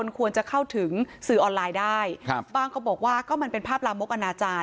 บางคนบอกว่ามันเป็นภาพลามบ๊อกอนาจารย์